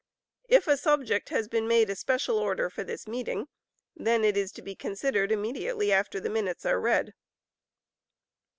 If a subject has been made a Special Order for this meeting, then it is to be considered immediately after the minutes are read.